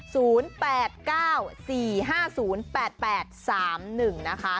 โทรไปสอบถามก่อนว่า